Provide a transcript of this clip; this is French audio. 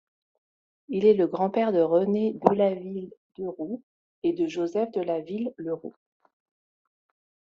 Il est le grand-père de René Delaville-Leroulx et de Joseph Delaville Le Roulx.